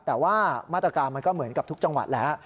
แต่ว่ามาตรการมันก็เหมือนกับทุกจังหวัดแล้ว